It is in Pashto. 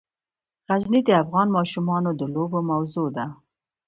غزني د افغان ماشومانو د لوبو موضوع ده.